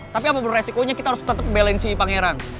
tapi apapun resikonya kita harus tetep belain si pangeran